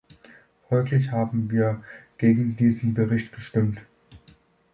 Folglich haben wir gegen diesen Bericht gestimmt.